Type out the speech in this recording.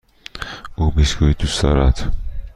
او بیسکوییت دوست دارد.